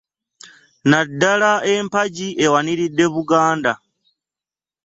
Naddala empagi ewaniridde Buganda